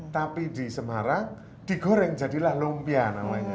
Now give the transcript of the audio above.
tapi di semarang digoreng jadilah lumpia namanya